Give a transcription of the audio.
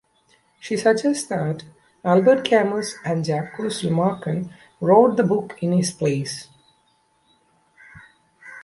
She suggests that Albert Camus and Jacques Lemarchand wrote the book in his place.